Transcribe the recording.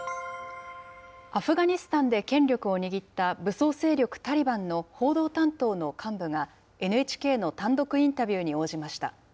アフガニスタンで権力を握った、武装勢力タリバンの報道担当の幹部が、ＮＨＫの単独インタビューに応じました。